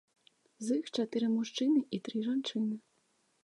З іх чатыры мужчыны і тры жанчыны.